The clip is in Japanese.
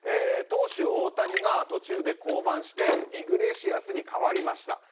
投手・大谷が途中で降板してイグレシアスに代わりました。